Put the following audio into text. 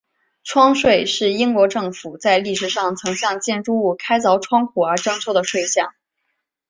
窗税是英国政府在历史上曾向建筑物开凿窗户而征收的税项。